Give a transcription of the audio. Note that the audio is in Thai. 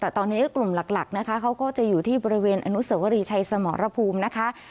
แต่ตอนนี้กลุ่มหลักนะคะเขาก็จะอยู่ที่บริเวณอนุสวรีชัยสมรภูมินะคะ